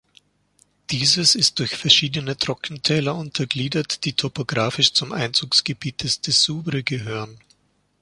Dieses ist durch verschiedene Trockentäler untergliedert, die topographisch zum Einzugsgebiet des Dessoubre gehören.